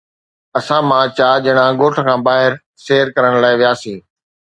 اسان مان چار ڄڻا ڳوٺ کان ٻاهر سير ڪرڻ لاءِ وياسين